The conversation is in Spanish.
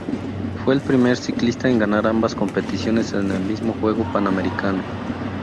Fue el primer ciclista en ganar ambas competiciones en el mismo Juego Panamericano.